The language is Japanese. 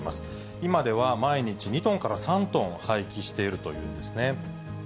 今では毎日２トンから３トン廃棄しているというんですね。